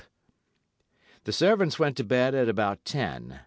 "The servants went to bed at about ten.